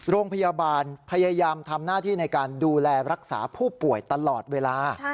โรงพยาบาลพยายามทำหน้าที่ในการดูแลรักษาผู้ป่วยตลอดเวลา